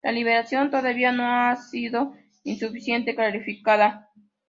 La liberación todavía no ha sido suficientemente clarificada.